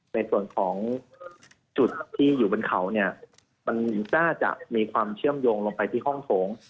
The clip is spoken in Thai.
ในส่วนของจุดที่อยู่บนเขาเนี่ยมันน่าจะมีความเชื่อมโยงลงไปที่ห้องโถง